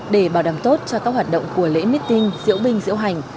để bảo đảm tốt cho các hoạt động của lễ mít tinh diễu binh diễu hành